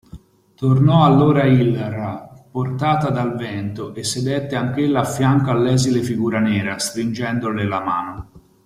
Tornò allora Ilra, portata dal vento, e sedette anch'ella affianco all'esile figura nera, stringendole la mano.